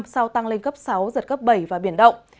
sau tăng lên cấp sáu giật cấp bảy và biển động